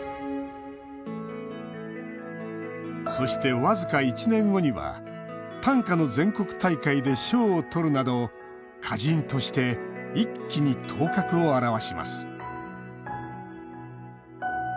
そして僅か１年後には短歌の全国大会で賞をとるなど歌人として一気に頭角を現します。